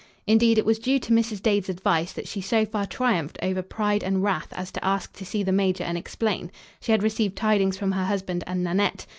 Indeed, it was due to Mrs. Dade's advice that she so far triumphed over pride and wrath as to ask to see the major and explain. She had received tidings from her husband and Nanette.